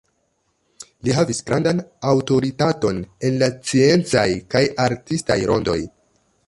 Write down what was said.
Li havis grandan aŭtoritaton en la sciencaj kaj artistaj rondoj.